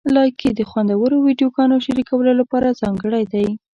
لایکي د خوندورو ویډیوګانو شریکولو لپاره ځانګړی دی.